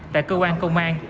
tại cơ quan công an